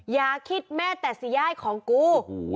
อย่าคิดแม่แต่สิย่ายของกู